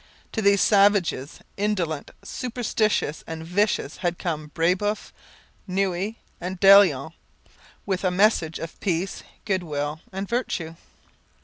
To these savages, indolent, superstitious, and vicious, had come Brebeuf, Noue, and Daillon, with a message of peace, goodwill, and virtue.